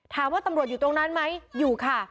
ตำรวจอยู่ตรงนั้นไหมอยู่ค่ะ